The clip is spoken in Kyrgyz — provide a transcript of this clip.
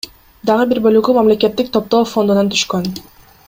Дагы бир бөлүгү мамлекеттик топтоо фондунан түшкөн.